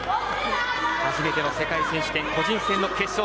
初めての世界選手権、個人戦決勝。